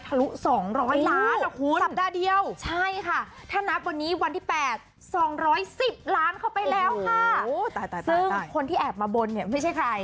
ทะลุ๒๐๐ล้านอ่ะคุณใช่ค่ะถ้านับวันนี้วันที่๘๒๑๐ล้านเข้าไปแล้วค่ะซึ่งคนที่แอบมาบนไม่ใช่ใคร